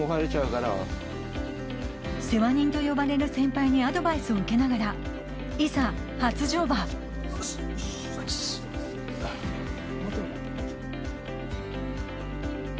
世話人と呼ばれる先輩にアドバイスを受けながらいざ初乗馬よし！